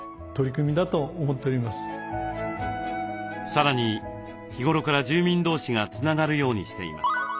さらに日頃から住民同士がつながるようにしています。